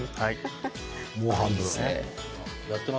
もう半分。